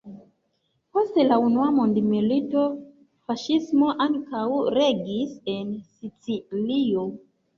Post la Unua mondmilito, faŝismo ankaŭ regis en Sicilio.